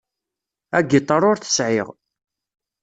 Agiṭar ur t-sεiɣ.